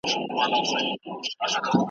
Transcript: پوهه د انسان رڼا ده.